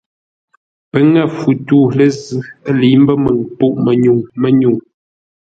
Pə́ ŋə̂ fu tû lə́ zʉ́ ə́ lə̌i mbə́ məŋ pûʼ-mənyuŋ mə́nyúŋ mə́nyúŋ,